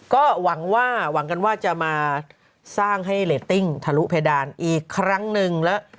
ก็หวังว่าหวังกันว่าจะมาสร้างให้เรตติ้งทะลุเพดานอีกครั้งหนึ่งแล้ว